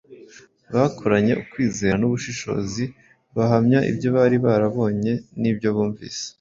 Bakoranye ukwizera n’ubushishozi, bahamya ibyo bari barabonye n’ibyo bumvise,